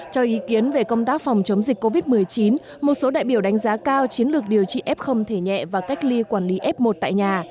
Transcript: cho ý kiến về công tác phòng chống dịch covid một mươi chín một số đại biểu đánh giá cao chiến lược điều trị f thể nhẹ và cách ly quản lý f một tại nhà